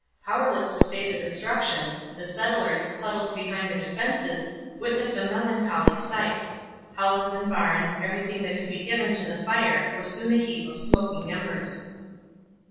Powerless to stay the destruction, the settlers, huddled behind their defences, witnessed a melancholy sight. Houses and barns, everything that could be given to the fire, were soon a heap of smoking embers.